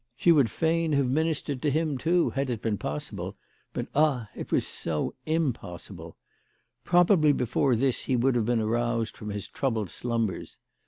She would fain have ministered tcr him too had it been possible ; but ah ! it was so impossible ! Probably before this he would have been aroused from his troubled slumbers.